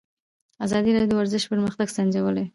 ازادي راډیو د ورزش پرمختګ سنجولی.